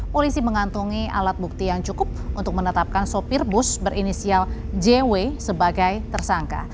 polisi mengantungi alat bukti yang cukup untuk menetapkan sopir bus berinisial jw sebagai tersangka